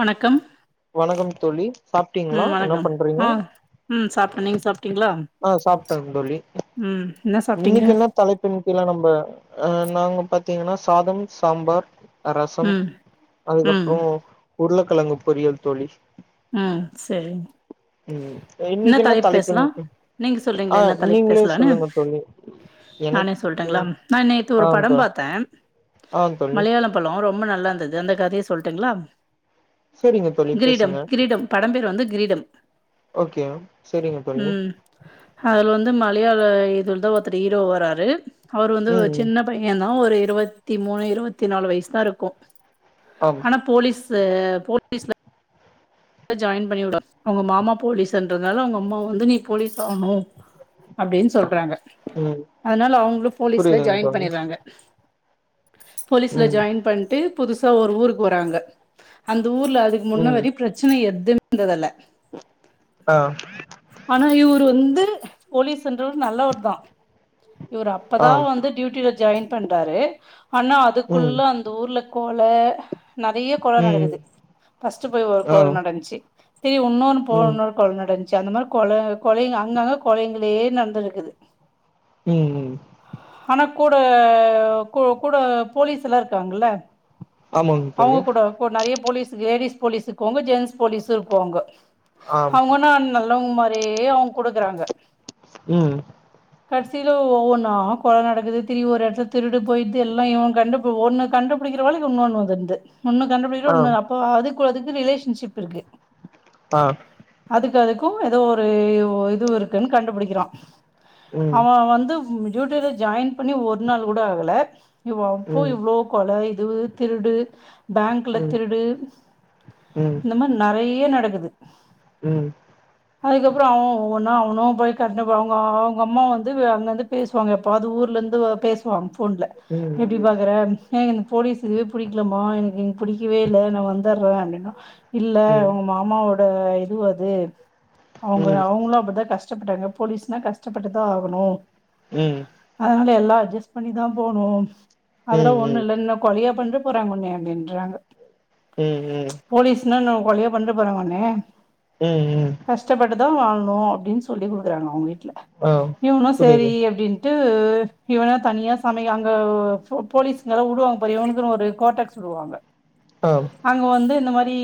வணக்கம் வணக்கம் தோழி சாப்ட்டீங்களா உம் என்ன வணக்கம் ஆஹ் உம் சாப் நீங் சாப் ஆஹ் சாப்ட்டங்க தொழி ம் என்ன சாப்ட்டீங்க இன்னைக்கு என்ன தலைப்பண்ணிக்க எல்லாம் நம்ம அஹ் நாங்க பத்தீங்கன்னா சாதம் சாம்பார் ரசம் ம் ம் அதுக்கப்றோ உருளைக்கிழங்கு பொறியியல் தோழி உம் செரி ம் என்ன இன்னைக்கு தலைப்பு தலைப்புன் பேசலாம் நீங்க ஆ சொல்கிறீங்களா என்ன தலைப்பு நீங்களே பேசலனு சொல்லுங்க தோழி நானே எனக்கு சொல்லட்டுங்களா நா நேத்து ஆ ஒரு படம் தோ பாத்த ஆ தோழி மலையாள பழம் ரொ ரொம்ப நல்லா இருந்தது அந்த கதையை சொல்ட்டுங்களா செரிங்க தோழி கிரீடம் பேசுங்க கிரீடம் படம் பேர் வந்து கிரீடம் ஓகே செரிங் தொழி டே ஏ ல்லூ இதுல தா ஒருத்தர் ஈரோ வராரூ அவுர் வந்தூ ம் ஒரு ம் சின்ன பைய்யென் நா ஒரு இருவத்தி மூணு இருவத்தி நாலு வயிஸ் தா ருக்கு ஆம் அனா போலீஸ் தே போலீஸ்ல ஜாயின் பண்ணி விடு வா அவுங்க மாமா போலீஸ்ன்றனாலெ அவுங்கம்மா வந்து நீ போலீஸா ஆஹ்ணு அப்டீன் சொல்றாங்க ம் அத்னால அவுங்ளு போலீஸ்ல புரியுதுங் ஜாயின் தோழி பண்ணிறாங்க போலீஸ்ல ம் ஜாயின் பண்ட்டு புதுசா ஒர் ஊருக் வராங்க அந் த ஊர்லெ அதுக் ம் முன்னாடி பிரச் எத்து ம் ந்ததல்லெ ஆ ஆனா இவுரு வந் து போலீஸ்ன்றவரு நல்லவர்தா இவரு ஆ அப்பதா வந்து டியூட்டில ஜாயின் பண்றாரு ஆனா ம் அதுக்குள்ளே அந்த ஊர்ல போல நறைய கொல ம் நடக்குது ஃபஸ்ட்டு போய் ஒரு ஆ கொல நடந்துச்சி சேரி உன்னொன்னு ம் போனோனா ஒரு கொல நடந்து ச்சி அந்த மாரி கொல கொலைங்க அங்கங்க கொலைங்களே நடந்துனுருக்குது ம் ம் கூட கூ கூட போலீஸ்லா இருக்காங்கல்ல ஆமாங்க அவுங்க தோழி கூட போ நறைய போலீஸ் லேடீஸ் போலீஸ்சு கோங்க ஜென்ஸ் போலீஸு இருக்குவாங்க ஆம் அவுங்கனா நல் அவுங் மாரியே அவுங் குடுக்குறாங்க ம் கடசில ஒவ்வொன்னா கொல நடக்குது தெரி ஒரு எடத்துல திருடு போயிட்டு எல்லா இவ கண்டு பு ஒன்னு கண்டுபுடிக்கிற வேலைக் உன்னோன் வந்துருது ஒன்னு கண்டுக்கிற ஆம் உன்னோனு அப்போ அது கொலது இது ரிலேஷன்ஷிப் இருக்கு ஆ க்கு அதுக்கு ஏதோ ஒரு இது இருக்குன் கண்டுபுடிக்கிறா ம் அவ வந்து ம் டூட்டில ஜாய்ன் பண்ணி ஒரு நாள் கூட ஆகல இவ அப்போ ம் இவ்ளோ கொலை து திருடு பேங்க்ல ம் ம் திருடு ம் இந்த மார் நெறை ய நடக்குது ம் ம் ம் அதுக்கப்ற அவ போனா அவனு போய் கட்டவாங்கோ அவங்க அம்மா வந்து அங்கருந்து பேசுவாங்க எப்போவாது ஊர்லருந்து பேசுவாங்க போன்ல ம் எப்டி ம் பாக்குற ஏ என போலீஸ்சு பிடிக்கலாமா எனக்கு இங் பிடிக்கவே இல்ல நா வந்தறே இல்லேனா இல்ல ம் உங்க மாமாவோ அ இது அது அவங்க அவங்களு அப்டித்தா கஷ் கஷ்டப்பட்டாங்க போலீஸ்னா கஷ்டப்பட்டுதா ஆகனு அதனால எல் லா அஜஸ் பண்ணிதா போனும் அதுட ம் ஒன்னு இல்ல இன்னா கொழைய பன்ற போறாங்க ஒன்னிய அப்டின்றாங்க ம் ம் போலீஸ் இன்னா என்னா ஓ கொழையா பன்ற போறாங்க ஒன்னே ம் ம் இதா வாங்னோ அப்டின்னு சொல்லி குடுக்குறாங்க அவுங்கிட் ட்ல ஆ இவங்ளு சேரி புரியுது அப்டின் ட்டு இவனா தனியா சமய அங்கவு போ போலீஸ் இந்ததடவ உடுவாங்க பார் இவனுக்கு ஒரு கோட்டக்ஸ் உடுவாங்க ஆ அங்க வந்து ரி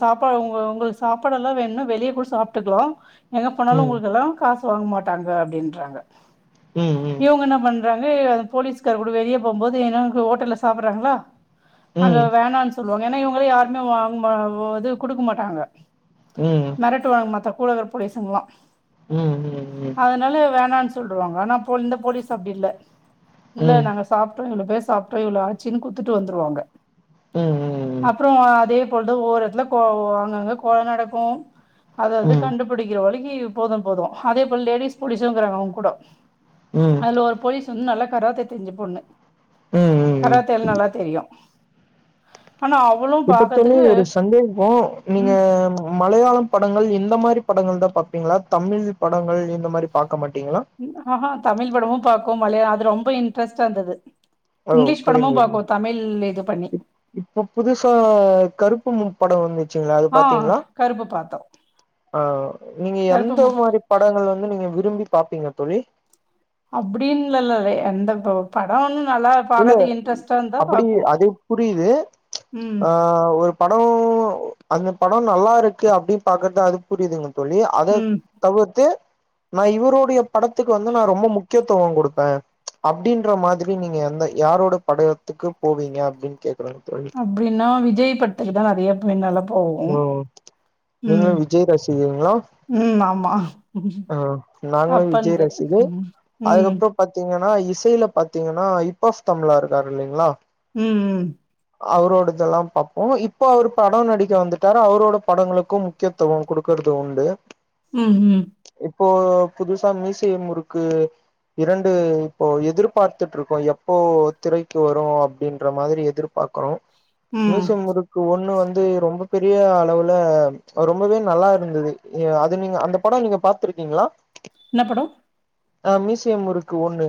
சாப்பாடு உங்க உங்கள் சாப்பாடுல்லா வேணுன்னா வெளிய கூட சாப்டுக்லா எங்க போனாலு ம் உங்களுக்கெல்லா காஸ் துவங்க மாட்டாங்க அப்டின்றாங்க ம் ம் ம் இவங்க என்னா பன் க போலீஸ்கார் கூட வெளிய போம்போது ஏன்ன ஹோட்டல்ல சாப்பிடறாங்களா அங்க ம் வேணானு சொ ங்க ஏன்னா இவங்களா யாருமே வாங் [unintelligible] கொடுக்க மாட்டாங்க ம் ம் மெரட்டுவாங்க மத்த கூடவர போலீஸ்ங்கலா ம் ம் ம் அதனால வேணானு சொல்வாங்க ஆனா போ இந்த போலீஸ் அப்டி இல்ல இல்ல நாங்க சாப்ட்டோ எங்கள பேச சாப்ட்டோ இவ்வள ஆச்சின்னு குடுத்துட்டு வந்துருவாங்க அப்புறோ அதே ழுது ஒவொரு எடத்துல கொ அங்கங்க கொல நடக்கும் ம் அதாவது ம் கண்டுபிடிக்கிற வரைக் போதும் போதும் அதே போல லேடிஸ் போலீசும் இருக்காங்க அவங்க கூட ம் ம் அதுல ஒரு போலீஸ் வந்து நல்லா கராத்தை தெரிஞ்ச பொண்ணு கராத்தே நல்லா தெரியும் ஆனா அவளும் ப இப்ப ஒரு சந்தேகம் நீங்க மலையாளம் படங்கள் இந்த மாரி படங்கள் தான்பாப் ங்களா தமிழ் படங்கள் இந்த மாரி பார்க் ஆஹ தமிழ் படமும் பாக் கும் மலையாளம் அது ரொம்ப இன்டரெஸ்டா இருந்தது ஓ இங்கிலீஷ் படமு புரிந்து பாக்கு தமிழ் இது பண்ணி இப்போ புதுசா கருப்பு முன் படம் வந்துச்சுங்களா அது ஆ பாத்தீங்களா கருப்பு பாத்தோ ஆஹ் நீங்க எந்த கருப்பு மாரி படங்கள் வந்து நீங்க விரும்பி பாப்பீங்க தோழி அப்படின்னுல்லல்ல எந்த இப்ப படம் ஒ இல்ல அப்படி அது புரியுது ம் ஆஹ் ஒரு படம் அந்த படம் நல்லா இருக்கு அப்படின்னு பாக்கறது அது புரியுதுங்க தோழி அத ம். தவிர்த்து நான் இவருடைய படத்துக்கு வந்து நான் ரொம்ப முக்கியத்துவம் கொடுப்பேன் அப்படின்ற மாதிரி நீங்க யாரோட படத்துக்கு போவீங்க அப்டின்னு கேட்க அப்டின்னா விஜய் படத்துக்குதான் நிறைய [unintelligible] ம் நீங்களும் விஜய் ரசிகங்களா ம் ஆமா. அ நாங்களும் விஜய் அப்பந்தே ரசிகர் ம். ம். அதுக்கப்புறம் பாத்தீங்கன்னா ன்னா இசையில பாத்தீங்கன்னா இப் ஆப் தமிழா இருக்காரு இல்லலைங்களா உம் உம் அவரோடதெல்லாம் பார்ப்போம் இப்போ அவரு படம் நடிக்க வந்துட்டாரு அவரோட படங்களுக்கும் முக்கியத்துவம் கொடுக்கறது உண்டு உம் ஹும் இப்போ புதுசா மிசியமுருக்கு இரண்டு இப்போ எதிர்பார்த்துட்டு இருக்கோம் எப்போ திரைக்கு வரும் அப்டின்ற மாரி எதிர்பாக்கறோம் ம். மீசூமுருக்கு ஒண்ணு வந்து தே ரொம்ப பெரிய அளவுல ரொம்பவே நல்லா இருந்தது அது நீங்க அந்த படம் நீங்க பாத்துருக்கீங்களா என்ன படம் அ மீசியமுறுக்கு ஒண்ணு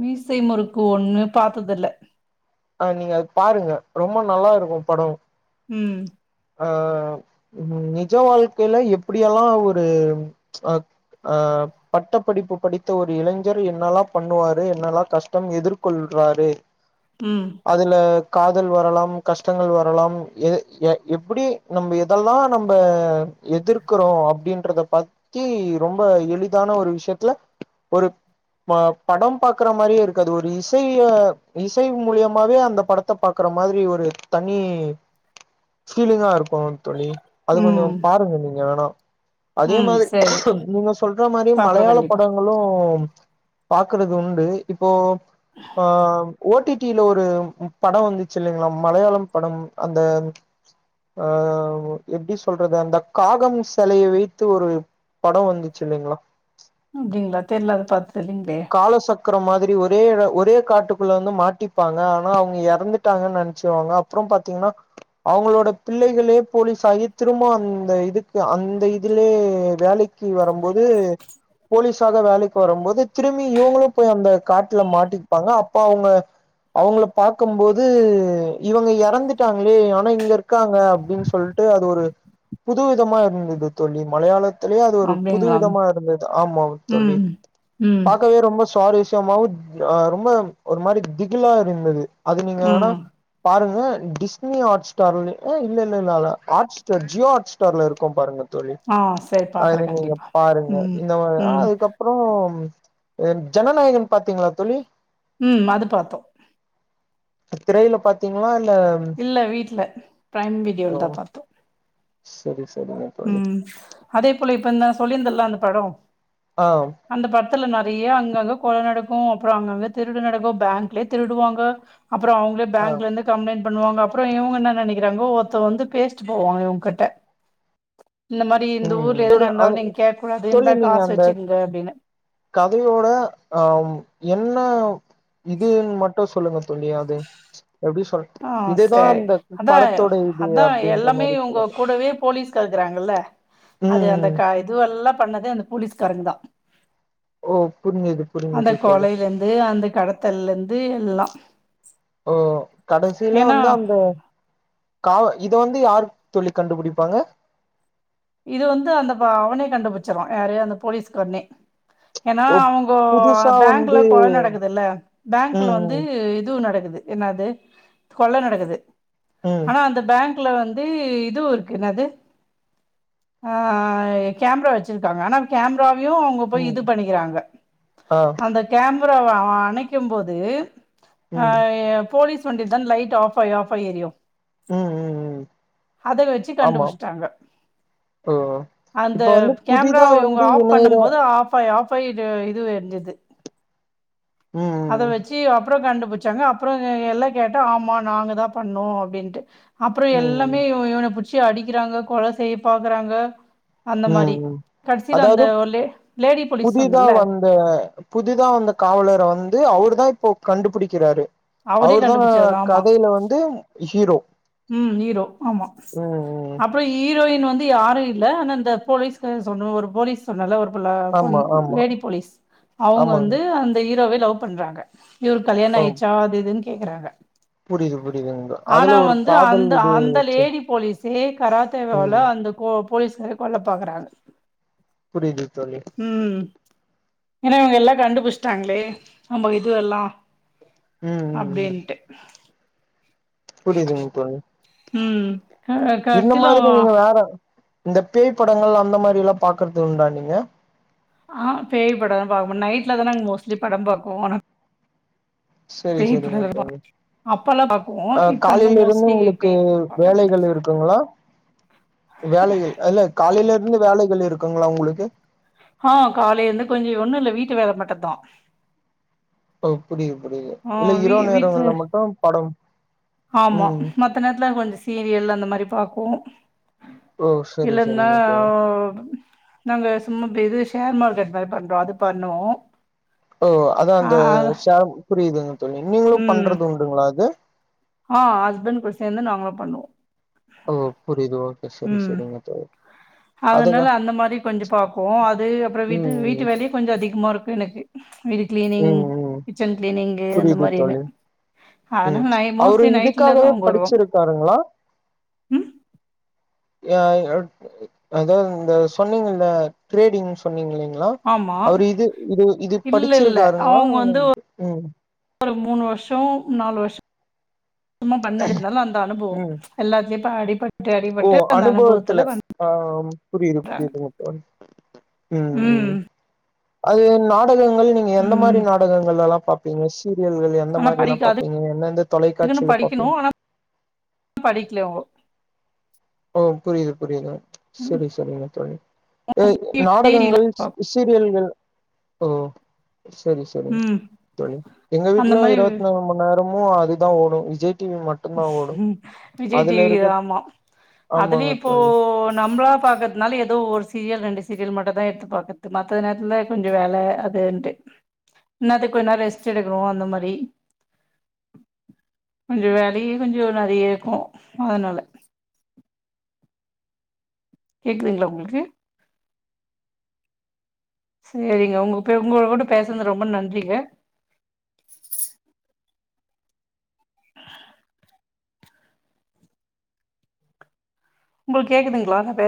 மீசை முறுக்கு ஒண்ணு பாத்ததுல ஆஹ் நீங்க அது பாருங்க ரொம்ப நல்லா இருக்கும் படம் உம் அஹ் உ நிஜ வாழ்க்கையில எப்டியெல்லாம் ஒரு அ அ பட்ட படிப்பு படித்த ஒரு இளைஞர் என்னல்லாம் பண்ணுவாரு என்னல்லாம் கஷ்டம் எதிர்கொள்றாரு ம், அதுல காதல் வரலாம் கஷ்டங்கள் வரலாம் எ எ எப்டி நம்ம எதெல்லா நம்ப எதிர்க்கிறோ அப்டின்றத பத்தி ரொம்ப எளிதான ஒரு விஷ்யத்துல ஒரு ப படம் பாக்குற மாதிரியே இருக்காது ஒரு இசைய இசை மூலியமாவே அந்த படத்த பாக்குற மாரி ஒரு தனி ஃபீலிங்காருக் கோ தோழி அது கொஞ்சோ ம், பாருங்க நீங்க வேணா அதே ம். சரி மாத் நீங்க சொல்ற மாரி பாக்குறோம் மலையாள கண்டிப்பா. படங்களூ பாக்குறதுண்டு இப்போ ஆ ஓ டி டி ல ஒரு படோ வந்துச்சு இல்லைங்ளா மலையாளம் படம் அந்த ஆ எப்டி சொல்றது அந்த காகம் செலையை வைத்து ஒரு படோ வந்துச்சில்லைங்களா அப்டிங்களா தெரியல அத பாத் தெர்லிங்ளே க்ரோ இருக்கிற மாதிரி ஒரே எட ஒரே காட்டுக்குள்ள வந்து மாட்டிப்பாங்க ஆனா அவுங்க இறந்துட்டாங்கன்னு நினைச்சுவாங்க அப்றோ பாத்தீன்னா அவுங்களோட பிள்ளைகளே போலீஸ் ஆகி திரும்போ அந்த இதுக்கு அந்த இதுலயே வேலைக்கு வரும்போது போலீஸாக வேலைக்கு வரும்போது திரும்பி இவங்களூ போய் அந்த காட்டுல மாட்டிப்பாங்க அப்ப அவுங்க அவுங்கள பாக்குபோது இவங்க எறந்துட்டாங்களே ஆனா இங்க இருக்காங்க அப்டின் சொல்ட்டு அது ஒரு புது விதமா இருந்தது தோழி மலையாளத் தோழி அது ஒரு புது அப்டிங்களா? விதமா இருந்தது ஆமா தோழி ம், ம், பாக்கவே ரொம்ப ஸ்வாரிஸ் யமாவூ ஆ ரொம்ப ஒரு மாரி திகிலா இருந்தது அது நீங்க ஆனா ம். பாருங்க டிஸ்னி ஹாட்ஸ்டார் ஆ இல்லல்லல்ல அல ஹாட்ஸ்டார் ஜியோ ஹாட் ஸ்டார்ல இருக்கூ பாருங்க தோழி ஆ சரி அது பாக்குறேன் நீங்க கண்டிப்பா. பாருங்க ம், இந்த மா ம், அதுக்கப்றோ அ ஜனநாயகன் பாத்தீங்களா தோழி ம் அது பாத்தோ திரைல பாத்தீங்ளா இல் இல்ல வீட்ல பிரைம் வீடியோல தா பாத்தோ செரி ஸ் ம் அதே போல இப்ப இந்த சொல்லியருந்தேல அந்த படோ ஆ பத்துல நறைய அங்கங்க கொல நடக்கூ அப்றோ அங்கங்க திருடு நடக்கூ பேங்க்லே திருடுவாங்க அப்றோ அவுங்ளே ஆ பேங்க்லேந்து கம்ப்ளைண்ட் பண்ணுவாங்க அப்றோ இவுங்க என்ன நெனைக்கிறாங்க ஒர்த்த வந்து பேசிட்டு போவாங்க இவுங்கட்ட ம் ட்டோட அ நீங்க கேக்க கூடாது சொல்லி இந்தா நீங்க காசு அந்த வச்சுக்கங்க அப்டின்னு கதையோட ஆம் என்ன இதுன் மட்டூ சொல்லுங்க தோழி அது எப்டி சொல் ஆ இதுதா செர் அந்த அதா படத்தோட இது அதா அப்டின்ற எல்லாமே மாரி இவங்க சொல்லுங்க கூடவே போலீஸ்கு எழுதுறாங்கல்ல ம் அது அந்த ம் க இதுவெல்லா பண்ணது அந்த பொலீஸ்காரங்தா ஓ புரிஞ்சுது அந்த புரிஞ்சுது தோழி கொலையிலந்து அந்த கடத்தல்லேந்து எல்லா கடசீல ஏன்னா வந்து அந்த காவ இத வந்து யார் தோழி கண்டுபுடிப்பாங்க இத வந்து அந்த வ அவனே கண்டுப்புட் ச்சிருவா யாரு அந்த போலீஸ் காரனே ஏனா ஓ அவங்கோ புதுசா பேங்க்ல வந்து கொல நடக்குதுல்ல பேங்க்ல வந்து ம் இதுவு நடக்கு து என்னாது கொள்ள நடக்குது ம் ஆனா அந்த பேங்க் ல வந்து இதுவு இருக்கு என்னாது ஆ கேம்ரா வச்சிருக்காங்க ஆனா கேம்ரா யு அவங்க போய் இது ம் பண்ணிக்கிறாங்க ஆ அந்த கேம் அப்பறோ அணைக்கெம் போது ஆ ம் போலீஸ் வண்டி தான் லைட் ஆஃபாயி ஆஃபாயி எரியு ம் ம் ம் அத வெச்சி ஆமா கண்டுப்புச்ட்டாங்க ஓ இப்ப வந்து புதிதா வந்து இணைற ஆ ஆஃபாயி இது இதுவு எறிஞ்சிது அத ம் வெச்சி அப்றொ கண்டு புச்சாங்க அப்றோ எல்லா கேட்டா ஆமா நாங்க தா பண்ணோ அப்டின்ட்டு அப்றொ ம் எல்லாமே ம் இவ இவன புச் சி அடிக்கிறாங்க கொல செய் பாக்குறாங்க அந்த மாரி. உம் ம் கடைசில அந்த அதாவது ஒரு லே லேடி போலீஸ் புதிதா சொன்னேன்ல, வந்த புதிதா வந்த காவலர வந்து அவரு தா இப்போ கண்டுப்புடிக்கிறாரு அவரே அவர்தா கண்டுபிடிச்சாரு கதையில வந்து ஹீரோ உம் ஈரோ ஆமா ம் ம் அப்பறோ ஈ ரோயின் வந்து யாரு இல்ல ஆனா இந்த போலீஸ் சொன்ன ஒரு போலீஸ் சொன்னல்ல ஒரு உள்ள ஆமா பொண்ணு ஆமா லேடி போலீஸ் அவங்க ஆமாங்க வந்து அந்த ஹீரோவ லவ் பண்றாங்க இவருக் கல்யாணொ ஆ ஆய்ச்சா அது இதுன் கேக்குறாங்க புரியுது புரியுது ஆனா அதுல ஒரு வந்து அந்த காதல் இது அந்த ச்ச லேடி போலீஸே கராத்தேவால ம் அந்த போ போலீச கொல்ல பாக்கறாங்க புரியிது தோழி ஏனா இவங்க எல்லா கண்டுபுடிச்சிட்டாங்களே நம்ம இது எல்லா ம் அப்படின்ட்டு புரியுதுங் தோழி ம் க இந்த கடைசில மாதிரி நீங்க வேற இந்த பேய்ப்படங்கள் அந்த மாதிரி எல்லா பாக்குறது உண்டா நீங்க ஆஹ் பேயி படல்லா பாப்பே நைட்ல தா நாங் மோஸ்ட்லி பட பாப்போ ஆனா சரி பேய் சரிங்க படோ பா தோழி அப்பல்லா பாக்குவோ அ இப்ப ரொம்ப காலைல இருந்து மோஸ்ட்லி உங்களுக்கு பேய் படோ பாக்கறதில்ல வேலைகள் இருக்குங்களா வேலைகள் இல்ல காலையில இருந்து வேலைகள் இருக்குங்களா உங்களுக்கு ஆஹ் காலைல இருந்து கொஞ்ச ஒன்னு இல்ல வீட்டு வேல மட்டு்தா ஓ புரியிது புரியுது இல்ல இரவு வீட்ல நேரங்கள்ல மட்டு பட ஆமா மத்த நேரத்துல கொஞ்ச சீரியல் அந்த மாதிரி பாப் போ ஓ செரி இல்லன்னா செரிங்க தோழி நாங்க சும்மா பே இது ஷேர் மார்க்கெட் மாரி பண்றோ அது பண்ணுவோ ஓ அதா ஆ அந்த அது சேர் புரியி து நீங்களு பண்றது உண்டுங்களா அது ஆஹ் ஹஸ்பண்ட் கூட சேந்து நாங்ளு பண்ணுவோ ஓ புரியிது ஓகே சரி ம் சரிங்க தோழி அதனால அதுதா அந்த மாரி கொஞ்ச பாப்போ அது அப்ற வீட்டு ம் வீட்டு ம் வேலயு கொஞ்ச அதி கமா இருக்கு எனக்கு வீடு கிளீனிங் ம் ம் கிச்சன் கிளீனிங்கு அந்த புரியுது மாரி இது தோழி ம் அதனால நை அவரு மோஸ்ட்லி நைட்ல தா இதுக்காகவே அவங் வருவாங் படிச்சிருக்காருங்களா ய அதாவது இந்த சொன்னீங்கல்ல இந்த ட்ரேடிங் சொன்னீங்ளிங் ல ஆமா அவரு இது இது இது இல்ல இல்ல படிச்சிருக்காருங்களா அவங்க வந்து [unintelligible] உம் ஒரு மூணு வருஷோ நாலு வருஷ் சும்மா பண்ணதில்ல ஆனா அந்த அனுபவோ ம் எல்லாத்தை [unintelligible] ஓ அனுபவத்துல ஆஹ் ஓ புரியுது புரியுதுங்க தோழி ம் ம் அது நா டகங்கள் நீங்க எந்த ம் மாரி நாடகங்களெலா பாப் பிங்க சீரியல்கள் எந்த ஆனா மாரிலா படிக்க பாப்பிங்க எந்தெந்த அதுக்குன்னு தொலைக்காட்சியில படிக்கணு பாப்பிங் ஆனா படிக்கல அவோ ஓ புரியுது புரியுது செரி செரிங்க தோழி அ விஜய் டிவில நாடகங்கள் பாக் சீரியல்கள் ஓ சரி சரி ம் தோழி எங்க அந்த வீட்லயு மாரி இருவத்நாலு மண் நேர மு அதுதா ஓடு விஜய் டிவி மட்டுந்தா ஓடு விஜய் டி அதுல வி இருக்க ஆமா ஆமாங்க அதுலயு இப்போ தோழி ந நம்ளா பாக்றதுனால ஏதோ ஒரு சீரியல் ரெண்டு சீரியல் மட்டும் தா எடுத்து பாக்குரது மத்த நேரத்துலா கொஞ்சம் வேல அதுன்ட்டு இன்னாத்துக்கு கொஞ்ச நேர ரெஸ்ட் எடுக்கறோ அந்த மாரி கொஞ்ச வேல வெயில் கொஞ்சம் அதிகரிக்கும் அதனால கேக்குதுங்களா உங்களுக்கு செரிங்க உங்க உங்களோட பேசனது ரொம்ப நன்றிங்க உங்குளுக்கு கேக்குதுங்களா நான் பே